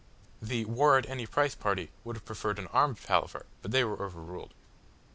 The war at any price party would have preferred an armed palaver, but they were overruled.